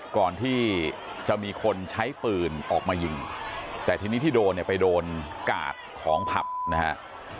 ก่อนที่จะมีคนใช้ปืนออกมายิงแต่ทีนี้ที่โดนเนี่ยไปโดนกาดของผับนะฮะ